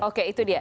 oke itu dia